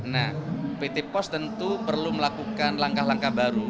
nah pt pos tentu perlu melakukan langkah langkah baru